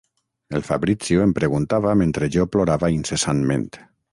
El Fabrizio em preguntava mentre jo plorava incessantment.